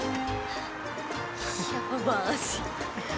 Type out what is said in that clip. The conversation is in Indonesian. siapa banget sih